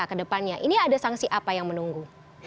ke depannya ini ada sanksi apa yang menunggu